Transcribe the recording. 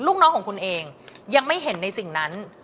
ลูกน้องของคุณเองยังไม่เห็นในสิ่งนั้น